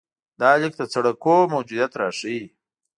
دا لیک د سړکونو موجودیت راښيي.